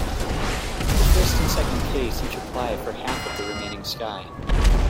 The first and second case each apply for half of the remaining sky.